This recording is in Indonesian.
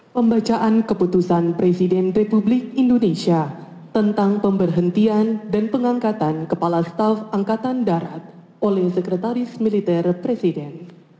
pembacaan keputusan presiden republik indonesia tentang pemberhentian dan pengangkatan kepala staf angkatan darat oleh sekretaris militer presiden